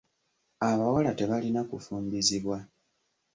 Abawala tebalina kufumbizibwa